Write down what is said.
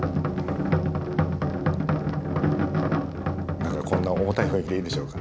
何かこんな重たい雰囲気でいいんでしょうか？